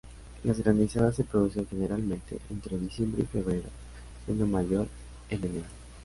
Las granizadas se producen generalmente entre diciembre y febrero siendo mayor en enero.